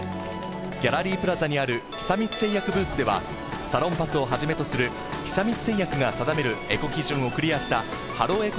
ギャラリープラザにある、久光製薬ブースではサロンパスをはじめとする久光製薬が定めるエコ基準をクリアした、「ＨＥＬＬＯ！